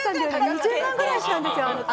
２０万くらいしたんですよ。